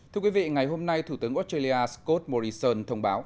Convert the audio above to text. thưa quý vị ngày hôm nay thủ tướng australia scott morrison thông báo